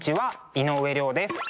井上涼です。